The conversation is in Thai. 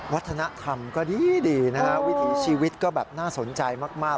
วัฒนธรรมก็ดีนะฮะวิถีชีวิตก็แบบน่าสนใจมาก